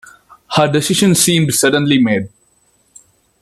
Her decision seemed suddenly made.